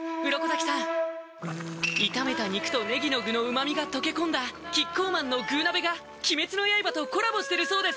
鱗滝さん炒めた肉とねぎの具の旨みが溶け込んだキッコーマンの「具鍋」が鬼滅の刃とコラボしてるそうです